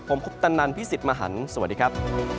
ผมคุปตันนันพี่สิทธิ์มหันฯสวัสดีครับ